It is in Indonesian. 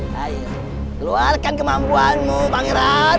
keluarkan kemampuanmu pangeran